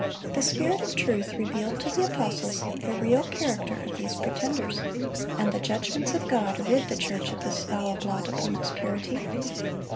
The Spirit of truth revealed to the apostles the real character of these pretenders, and the judgments of God rid the church of this foul blot upon its purity.